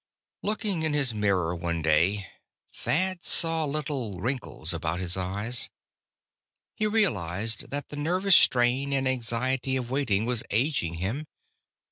Looking in his mirror one day, Thad saw little wrinkles about his eyes. He realized that the nervous strain and anxiety of waiting was aging him.